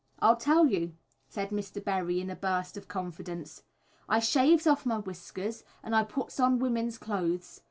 "I'll tell you," said Mr. Berry in a burst of confidence. "I shaves off my whiskers and I puts on women's clothes.